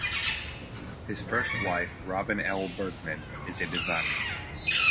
His first wife, Robin L. Bergman, is a designer.